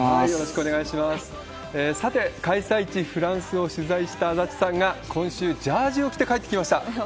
さて、開催地、フランスを取材した足立さんが、今週、ジャージを着て帰ってきました。